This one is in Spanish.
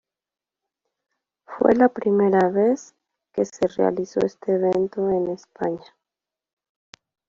Fue la primera vez que se realizó este evento en España.